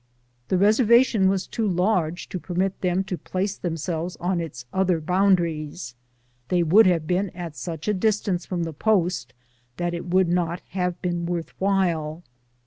The reservation was too large to per mit them to place themselves on its other boundaries ; they would have been at such a distance from the post that it would not have been worth while.